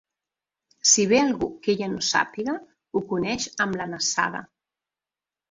Si ve algú que ella no sàpiga, ho coneix amb la nassada.